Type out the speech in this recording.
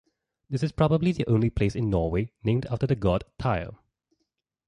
This is probably the only place in Norway named after the god Tyr.